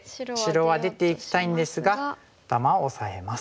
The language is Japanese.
白は出ていきたいんですが頭をオサえます。